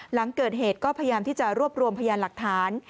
หลังเกิดเหตุก็พยายามที่จะรวบรวมพยานหลักฐาน